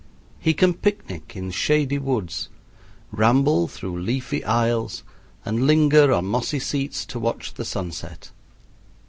He can picnic in shady woods, ramble through leafy aisles, and linger on mossy seats to watch the sunset.